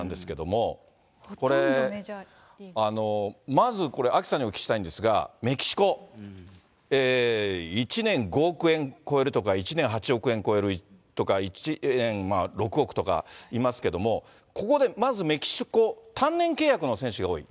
まずこれ、アキさんにお聞きしたいんですが、メキシコ、１年５億円超えるとか、１年８億円超えるとか、１年６億とかいますけれども、ここでまずメキシコ単年契約の選手が多い。